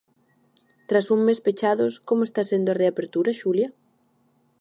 Tras un mes pechados, como está sendo a reapertura, Xulia?